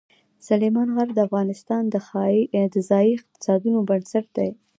سلیمان غر د افغانستان د ځایي اقتصادونو بنسټ دی.